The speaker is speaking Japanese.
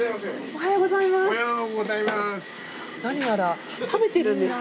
おはようございます。